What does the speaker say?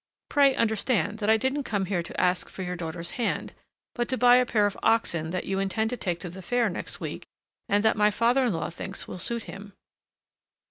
Pray understand that I didn't come here to ask for your daughter's hand, but to buy a pair of oxen that you intend to take to the fair next week and that my father in law thinks will suit him."